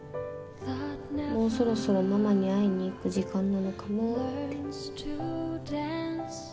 もうそろそろママに会いに行く時間なのかなって。